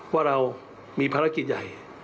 ว่าเรามีภารกิจใหญ่